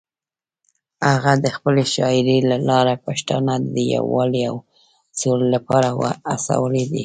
هغه د خپلې شاعرۍ له لارې پښتانه د یووالي او سولې لپاره هڅولي دي.